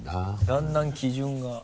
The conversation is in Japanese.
だんだん基準が。